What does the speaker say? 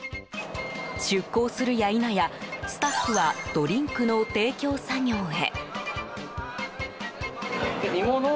出航するや否や、スタッフはドリンクの提供作業へ。